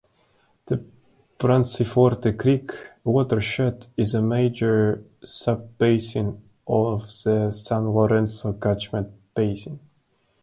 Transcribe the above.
The Branciforte Creek watershed is a major sub-basin of the San Lorenzo catchment-basin.